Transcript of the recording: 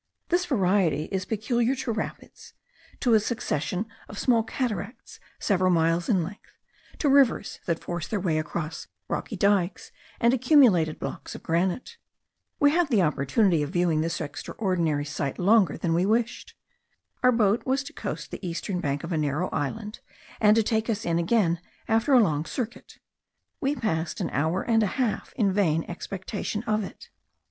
This variety is peculiar to rapids, to a succession of small cataracts several miles in length, to rivers that force their way across rocky dikes and accumulated blocks of granite. We had the opportunity of viewing this extraordinary sight longer than we wished. Our boat was to coast the eastern bank of a narrow island, and to take us in again after a long circuit. We passed an hour and a half in vain expectation of it.